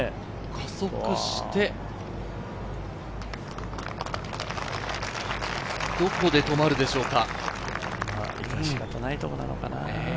加速してどこで止まるでしょうか？